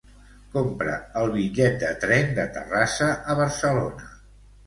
Compra el bitllet de tren de Terrassa a Barcelona.